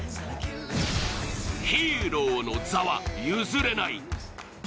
ヒーローの座は譲れない。